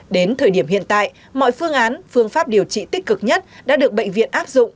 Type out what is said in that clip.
đến thời điểm hiện tại mọi phương án phương pháp điều trị tích cực nhất đã được bệnh viện áp dụng